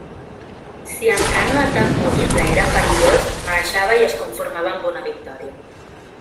Si entrar en un atac múltiple era perillós, marxava i es conformava amb una victòria.